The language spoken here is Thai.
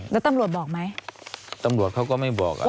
แล้วตำรวจบอกไหมตำรวจเขาก็ไม่บอกอ่ะ